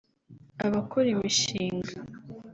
abakora imishinga